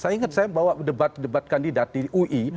saya ingat saya bahwa debat debat kandidat di ui